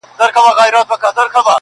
شیطان ګوره چي ایمان په کاڼو ولي,